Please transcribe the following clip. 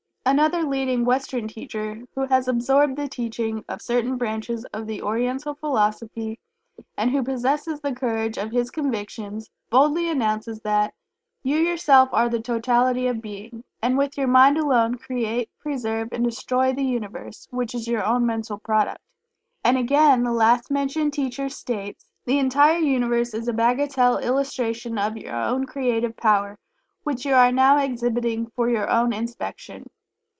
Another leading Western teacher, who has absorbed the teaching of certain branches of the Oriental Philosophy, and who possesses the courage of his convictions, boldly announces that "You, yourself, are the totality of being, and with your mind alone create, preserve and destroy the universe, which is your own mental product." And again the last mentioned teacher states: "the entire universe is a bagatelle illustration of your own creative power, which you are now exhibiting for your own inspection."